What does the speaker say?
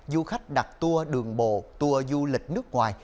du khách đặt tour đường bộ tour du lịch nước ngoài